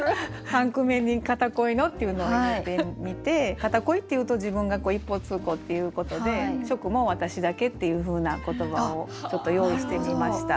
三句目に「片恋の」っていうのを入れてみて「片恋」っていうと自分がこう一方通行っていうことで初句も「私だけ」っていうふうな言葉をちょっと用意してみました。